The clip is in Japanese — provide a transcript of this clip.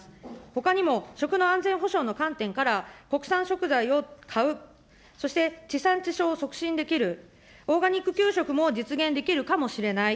ほかにも食の安全保障の観点から、国産食材を買う、そして地産地消を促進できる、オーガニック給食も実現できるかもしれない。